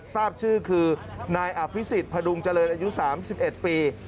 ทราบชื่อคือนายอภิษฎพดุงเจริญอายุ๓๑ปี